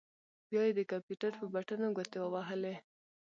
بيا يې د کمپيوټر پر بټنو ګوتې ووهلې.